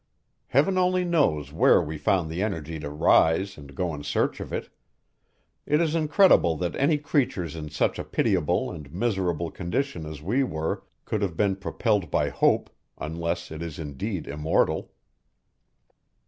Heaven only knows where we found the energy to rise and go in search of it; it is incredible that any creatures in such a pitiable and miserable condition as we were could have been propelled by hope, unless it is indeed immortal.